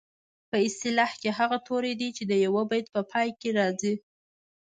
په اصطلاح هغه توري دي چې د یوه بیت په پای کې راځي.